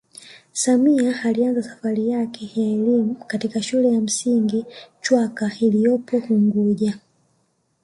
Samia alianza safari yake ya elimu katika shule ya msingi chwaka iloyopo unguja